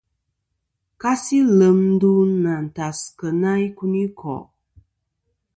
Kasi lem ndu nɨ̀ àntas kena ikunikò'.